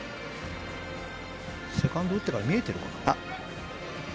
セカンド打ってるから見えてるかな。